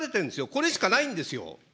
これしかないんですよ。